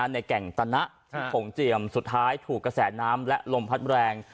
แก่งตะนะที่โขงเจียมสุดท้ายถูกกระแสน้ำและลมพัดแรง